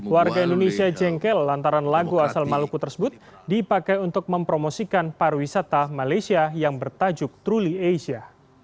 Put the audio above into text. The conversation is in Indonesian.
warga indonesia jengkel lantaran lagu asal maluku tersebut dipakai untuk mempromosikan pariwisata malaysia yang bertajuk truly asia